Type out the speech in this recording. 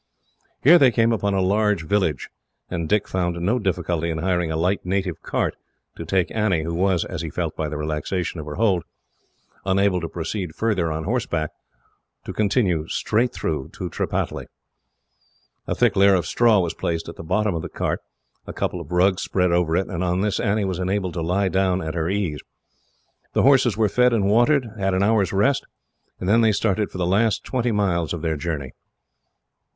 Here they came upon a large village, and Dick found no difficulty in hiring a light native cart to take Annie, who was, as he felt by the relaxation of her hold, unable to proceed farther on horseback, or continue straight through to Tripataly. A thick layer of straw was placed at the bottom of the cart, a couple of rugs spread over it, and on this Annie was enabled to lie down at her ease. The horses were fed and watered, and had an hour's rest, and then they started for the last twenty miles of their journey.